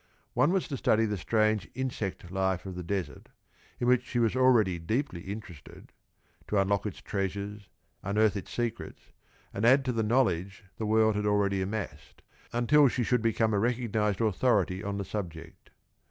One was to study the strange insect life of the desert, in which she was already deeply interested, to unlock its treasures, unearth its secrets, and add to the knowledge the world had already amassed, until she should become a recognized authority on the subject.